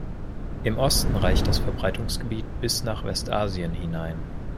Im Osten reicht das Verbreitungsgebiet bis nach Westasien hinein.